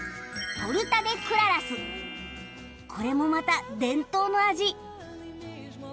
これもまた伝統の味。